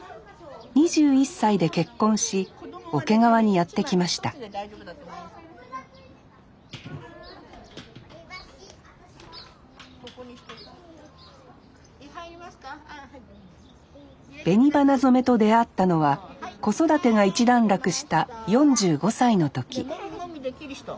２１歳で結婚し桶川にやって来ました紅花染めと出会ったのは子育てが一段落した４５歳の時もみもみできる人。